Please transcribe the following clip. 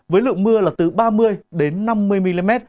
với lượng mưa là từ ba mươi đến năm mươi mm